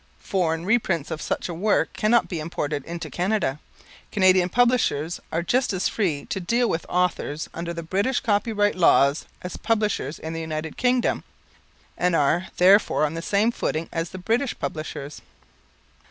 Foreign reprints of such a work cannot be imported into Canada. Canadian publishers are just as free to deal with authors under the British Copyright Laws as publishers in the United Kingdom, and are, therefore, on the same footing as the British publishers.